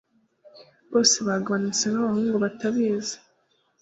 Bose bagabanutse nkabahungu batabizi